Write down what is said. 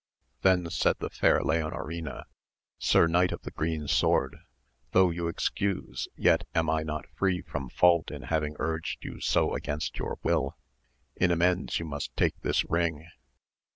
Then said the fair Leonorina, Sir Knight of the Green Sword, though you excuse yet am I not free from fault in having urged you so against your will, in amends you must take this ring.